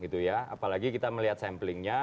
gitu ya apalagi kita melihat samplingnya